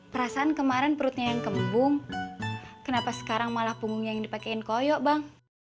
perasaan kemarin perutnya yang kembung kenapa sekarang malah punggungnya yang dipakaiin koyok bang